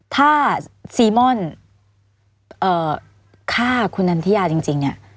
ถ้าซีม่อนเอ่อฆ่าคุณนันทิยาจริงจริงเนี่ย